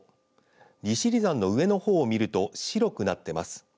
利尻山の上の方を見ると白くなっています。